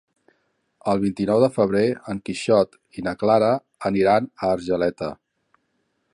El vint-i-nou de febrer en Quixot i na Clara aniran a Argeleta.